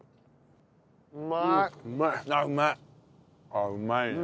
あっうまいね。